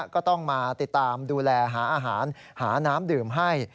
ก็ต้องมาติดตามดูแลหาอาหารหาน้ำดื่มให้